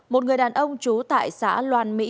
một người đàn ông trú tại xã loan mỹ